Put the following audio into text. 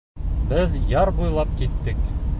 Беҙ яр буйлап киттек.